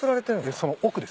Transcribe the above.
その奥ですね。